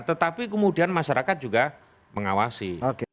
tetapi kemudian masyarakat juga mengawasi